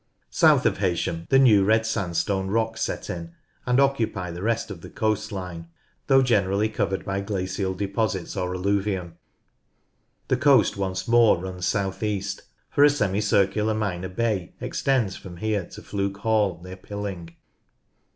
South of Heysham the New Red Sandstone rocks set in and occupy the rest of the coast line, though generally covered by glacial deposits or alluvium. The coast once more runs south east, for a semi circular minor bay extends from here to Fluke Hall near Pilling.